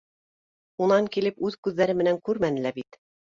Унан килеп, үҙ күҙҙәре менән күрмәне лә бит